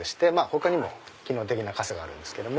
他にも機能的な傘があるんですけど。